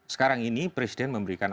sekarang ini presiden memberikan